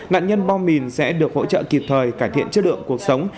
nạn nhân bom mìn sẽ được hỗ trợ kịp thời cải thiện chất lượng cuộc sống